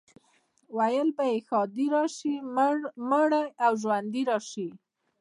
ویل به یې ښادي راشي، مړی او ژوندی شي.